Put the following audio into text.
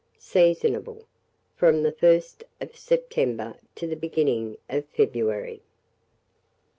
Seasonable from the 1st of September to the beginning of February.